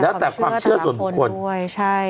แล้วแต่ความเชื่อแต่ละคนด้วย